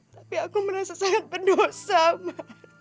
tapi aku merasa sangat berdosa mas